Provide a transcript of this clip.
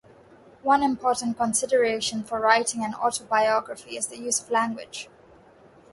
One important consideration for writing an autobiography is the use of language.